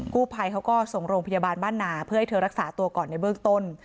ภัยเขาก็ส่งโรงพยาบาลบ้านนาเพื่อให้เธอรักษาตัวก่อนในเบื้องต้น